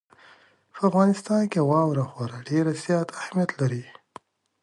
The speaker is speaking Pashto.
په افغانستان کې واوره خورا ډېر زیات اهمیت لري.